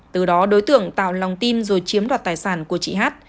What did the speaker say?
từ đó đối tượng tạo lòng tin rồi chiếm đoạt tài sản của chị hát